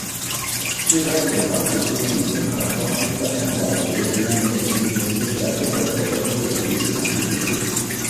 最高检党组书记、检察长张军在谈到学习运用习近平新时代中国特色社会主义思想时指出